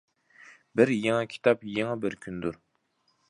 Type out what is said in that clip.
بىر يېڭى كىتاب يېڭى بىر كۈندۇر.